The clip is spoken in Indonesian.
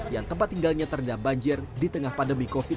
yang tempat tinggalnya terendam banjir di tengah pandemi covid sembilan belas